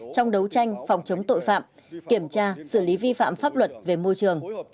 trong đấu tranh phòng chống tội phạm kiểm tra xử lý vi phạm pháp luật về môi trường